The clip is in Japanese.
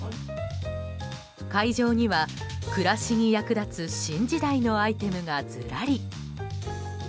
会場には、暮らしに役立つ新時代のアイテムがずらり。